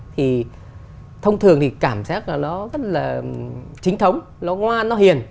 thì thông thường thì cảm giác là nó rất là chính thống nó ngoan nó hiền